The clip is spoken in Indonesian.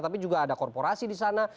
tapi juga ada korporasi di sana